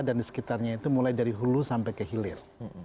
dan di sekitarnya itu mulai dari hulu sampai ke hilir